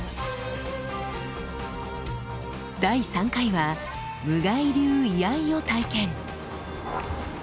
第３回は無外流居合を体験。